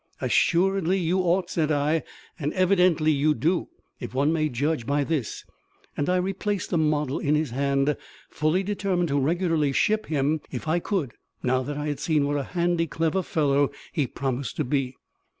"Assuredly you ought," said I; "and evidently you do, if one may judge by this." And I replaced the model in his hand, fully determined to regularly ship him if I could, now that I had seen what a handy, clever fellow he promised to be.